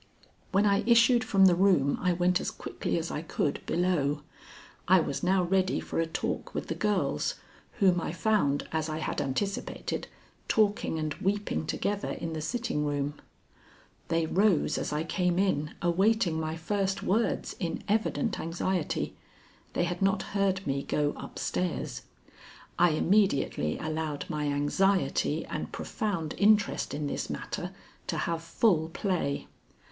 When I issued from the room, I went as quickly as I could below. I was now ready for a talk with the girls, whom I found as I had anticipated, talking and weeping together in the sitting room. They rose as I came in, awaiting my first words in evident anxiety. They had not heard me go up stairs. I immediately allowed my anxiety and profound interest in this matter to have full play.